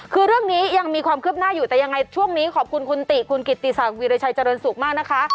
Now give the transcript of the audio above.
คือเรื่องนี้ยังมีความคืบหน้าอยู่แต่ยังไงช่วงนี้ขอบคุณคุณติคุณกิติศักดิรชัยเจริญสุขมากนะคะ